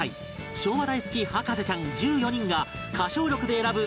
昭和大好き博士ちゃん１４人が歌唱力で選ぶ